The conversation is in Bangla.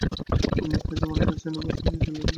তিনি কেজো মানুষ চেনেন, বুঝলেন এ ছেলের উন্নতি হবে।